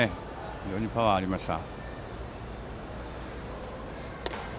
非常にパワーありました。